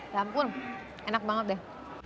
ya ampun enak banget deh